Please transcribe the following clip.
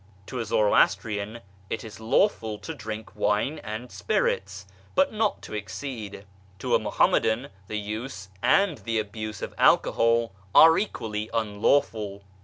" To a Zoroastrian it is lawful to drink wine and spirits, but not to exceed ; to a Muhammadan the use and the abuse of alcohol are equally unlawful.